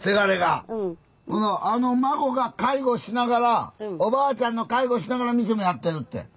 あの孫が介護しながらおばあちゃんの介護しながら店もやってるって。